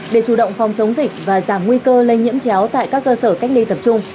để chủ động phòng chống dịch và giảm nguy cơ lây nhiễm chéo tại các cơ sở cách ly tập trung